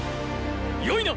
よいな！